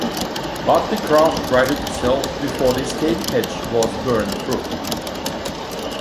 But the craft righted itself before the escape hatch was burned through.